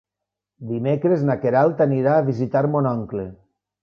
Dimecres na Queralt anirà a visitar mon oncle.